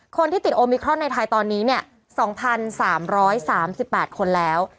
คนที่ติดโอมิครอนในไทยตอนนี้เนี่ย๒๓๓๘คนแล้ว